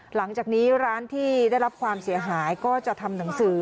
หลังจากนี้ร้านที่ได้รับความเสียหายก็จะทำหนังสือ